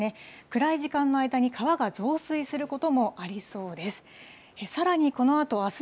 暗い時間の間に、川が増水することもありそうです。